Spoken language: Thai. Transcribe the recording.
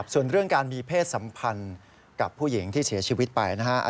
ส่วนเรื่องการมีเพศสัมพันธ์กับผู้หญิงที่เสียชีวิตไปนะฮะ